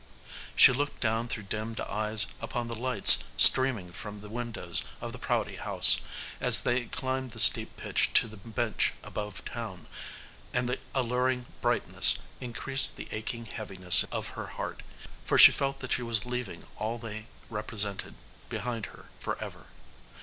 She looked down through dimmed eyes upon the lights streaming from the windows of the Prouty House, as they climbed the steep pitch to the bench above town, and the alluring brightness increased the aching heaviness of her heart, for she felt that she was leaving all they represented behind her forever.